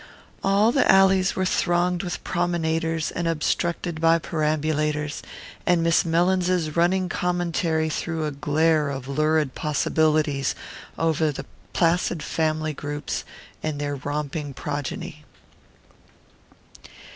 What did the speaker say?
All the alleys were thronged with promenaders and obstructed by perambulators; and Miss Mellins's running commentary threw a glare of lurid possibilities over the placid family groups and their romping progeny.